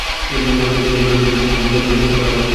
গতকাল তিনি বহিরাগতদের নিয়ে সমিতির দখল নিতে এলে অন্যরা বাধা দেন।